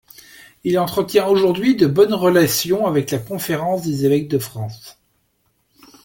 Il entretient aujourd'hui de bonnes relations avec la conférence des évêques de France.